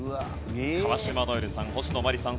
川島如恵留さん星野真里さん